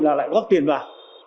là lại góp tiền vào